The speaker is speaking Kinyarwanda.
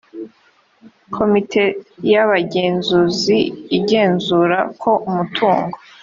komite y abagenzuzi igenzura ko umutungo